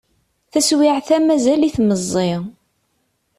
Taswiεt-a mazal-it meẓẓi.